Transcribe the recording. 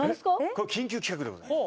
これ緊急企画でございます